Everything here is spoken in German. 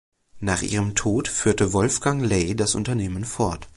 Nach ihrem Tod führte Wolfgang Ley das Unternehmen fort.